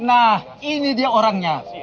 nah ini dia orangnya